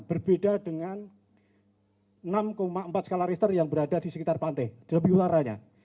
berbeda dengan enam empat skalariter yang berada di sekitar pantai di lebih utaranya